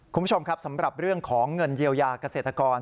คุณผู้ชมครับสำหรับเรื่องของเงินเยียวยาเกษตรกร